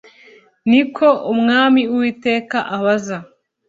Ni ko Umwami Uwiteka abaza